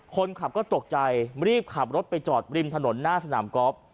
คนขับก็ตกใจรีบขับรถไปจอดริมถนนหน้าสนามกอล์ฟ